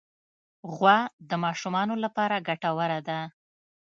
غوا د ماشومانو لپاره ګټوره ده.